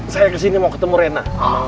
saya kesini mau ketemu rena